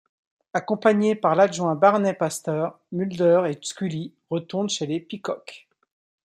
Accompagnés par l'adjoint Barney Paster, Mulder et Scully retournent chez les Peacock.